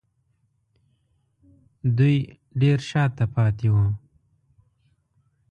دوی ډېر شا ته پاتې وو